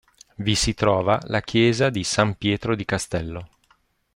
Vi si trova la chiesa di San Pietro di Castello.